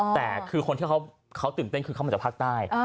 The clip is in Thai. แต่คือคนที่เขาตื่นเต้นคือเขามาจากภาคใต้